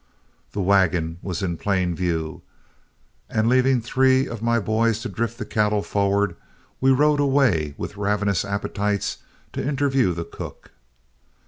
The wagon was in plain view, and leaving three of my boys to drift the cattle forward, we rode away with ravenous appetites to interview the cook.